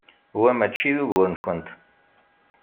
Wa mačči d ugur-nkent.